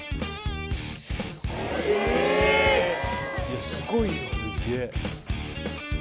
いやすごいよ。